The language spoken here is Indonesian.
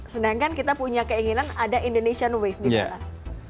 sedangkan kita punya keinginan ada indonesian wave di sana